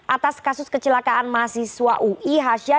atas kasus kecelakaan mahasiswa ui hasyah